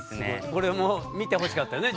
これも見てほしかったね